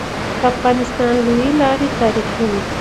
د افغانستان لويي لاري تاریخي وي.